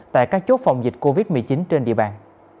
tại các chốt phòng dịch covid một mươi chín trên địa bàn